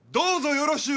よろしゅう